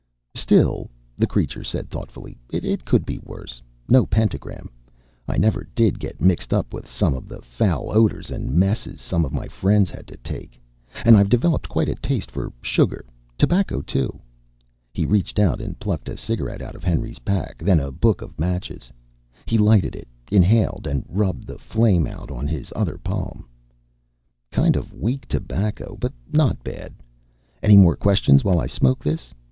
"Still," the creature said thoughtfully, "it could be worse. No pentagram. I never did get mixed up with some of the foul odors and messes some of my friends had to take. And I've developed quite a taste for sugar; tobacco, too." He reached out and plucked a cigarette out of Henry's pack, then a book of matches. He lighted it, inhaled, and rubbed the flame out on his other palm. "Kind of weak tobacco, but not bad. Any more questions while I smoke this?